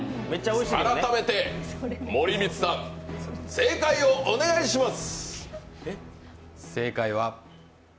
改めて森満さん、正解をお願いします。